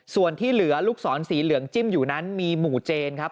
ส่วนที่เหลือลูกศรสีเหลืองจิ้มอยู่นั้นมีหมู่เจนครับ